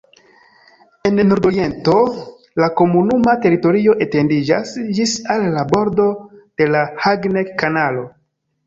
En nordoriento la komunuma teritorio etendiĝas ĝis al la bordo de la Hagneck-Kanalo.